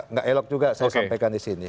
nggak elok juga saya sampaikan di sini